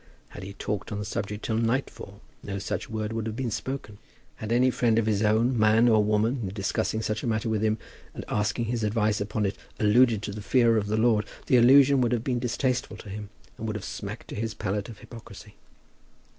Had he talked on the subject till nightfall no such word would have been spoken. Had any friend of his own, man or woman, in discussing such a matter with him and asking his advice upon it, alluded to the fear of the Lord, the allusion would have been distasteful to him and would have smacked to his palate of hypocrisy.